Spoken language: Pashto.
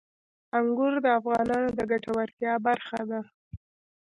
انګور د افغانانو د ګټورتیا برخه ده.